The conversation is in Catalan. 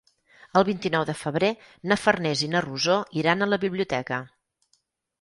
El vint-i-nou de febrer na Farners i na Rosó iran a la biblioteca.